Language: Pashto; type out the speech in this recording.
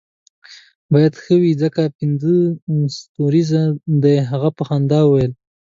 باید ښه وي ځکه پنځه ستوریزه دی، هغه په خندا وویل.